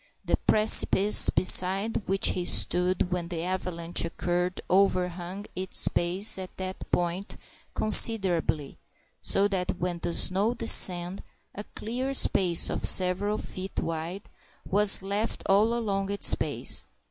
The precipice beside which he stood when the avalanche occurred overhung its base at that point considerably, so that when the snow descended a clear space of several feet wide was left all along its base.